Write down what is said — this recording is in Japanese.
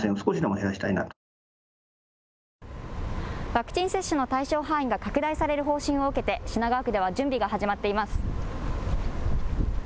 ワクチン接種の対象範囲が拡大される方針を受けて品川区では準備が始まっています。